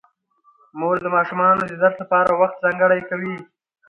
مور د ماشومانو د درس لپاره وخت ځانګړی کوي